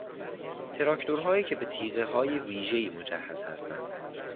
تراکتورهایی که به تیغههای ویژهای مجهز هستند